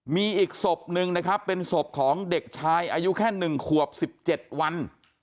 มีอีกศพหนึ่งนะครับเป็นศพของเด็กชายอายุแค่๑ขวบ๑๗วัน